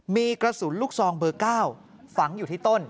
มีกระสุนลูกซองเบอร์๙ฝังอยู่ที่ต้น